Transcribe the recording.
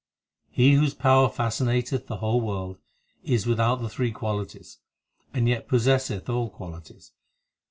8 He whose power fascinateth the whole world, Is without the three qualities, and yet possesseth all qualities.